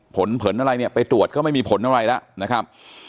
ผลผลอะไรเนี่ยไปตรวจก็ไม่มีผลอะไรแล้วนะครับ